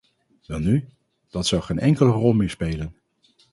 Welnu, dat zal geen enkele rol meer spelen!